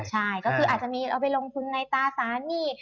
ใช่ก็คืออาจจะมีเอาไปลงทุนในตราสารหนี้